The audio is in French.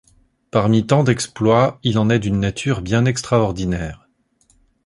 Parmi tant d’exploits, il en est d’une nature bien extraordinaire.